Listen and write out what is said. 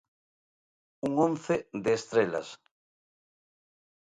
Un once de estrelas.